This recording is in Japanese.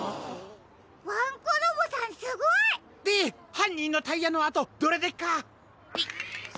ワンコロボさんすごい！ではんにんのタイヤのあとどれでっか？